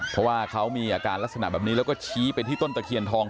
เพราะว่าเขามีอาการลักษณะแบบนี้แล้วก็ชี้ไปที่ต้นตะเคียนทอง